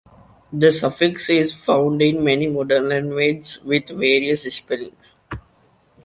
The suffix is found in many modern languages with various spellings.